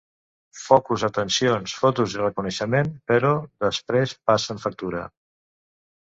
Focus, atencions, fotos i reconeixement, però després passen factura.